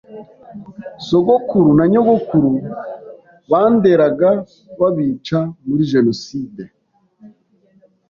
sogokuru na nyogokuru banderaga babica muri Jenoside.